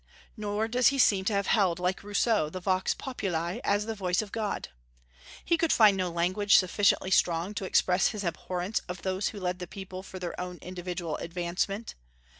Nor does he seem to have held, like Rousseau, the vox populi as the voice of God. He could find no language sufficiently strong to express his abhorrence of those who led the people for their own individual advancement.